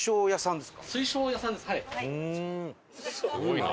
すごいな。